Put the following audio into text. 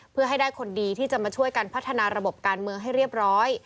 เพื่อให้ได้คนดีที่จะมาช่วยกันพัฒนาระบบการเมืองให้เรียบร้อย